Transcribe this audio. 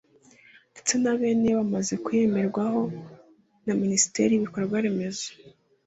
ndetse na beneyo bamaze kuyemerenywaho no Minisiteri y’ibikorwa remezo